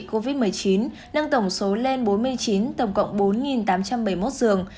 covid một mươi chín nâng tổng số lên bốn mươi chín tổng cộng bốn tám trăm bảy mươi một giường